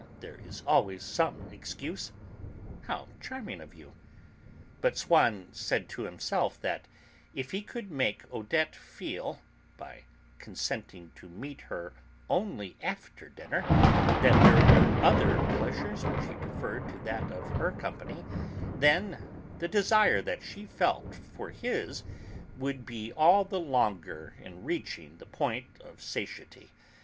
There is always some excuse." "How charming of you." But Swann said to himself that, if he could make Odette feel (by consenting to meet her only after dinner) that there were other pleasures which he preferred to that of her company, then the desire that she felt for his would be all the longer in reaching the point of satiety.